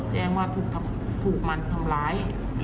แจ้งว่าถูกมันทำร้าย